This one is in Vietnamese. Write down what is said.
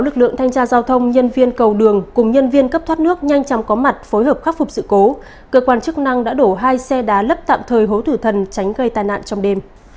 các bạn hãy đăng ký kênh để ủng hộ kênh của chúng mình nhé